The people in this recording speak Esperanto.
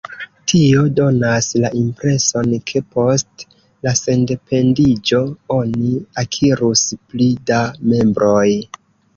Tio donas la impreson, ke post la sendependiĝo oni akirus pli da membroj.